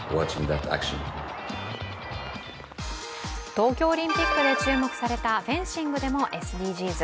東京オリンピックで注目されたフェンシングでもＳＤＧｓ。